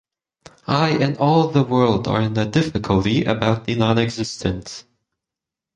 I and all the world are in a difficulty about the nonexistent.